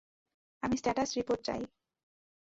আমি status report চাই।